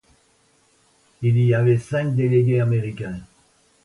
Il y avait cinq délégués américains.